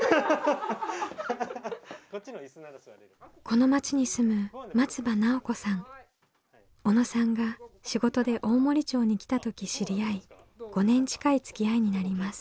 この町に住む小野さんが仕事で大森町に来た時知り合い５年近いつきあいになります。